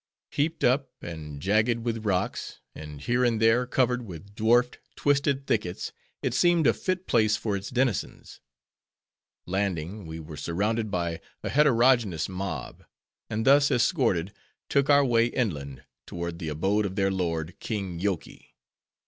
Heaped up, and jagged with rocks; and, here and there, covered with dwarfed, twisted thickets, it seemed a fit place for its denizens. Landing, we were surrounded by a heterogeneous mob; and thus escorted, took our way inland, toward the abode of their lord, King Yoky.